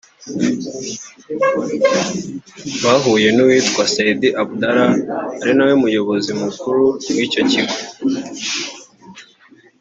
bahuye n’uwitwa Said Abdallah ari nawe Muyobozi Mukuru w’icyo kigo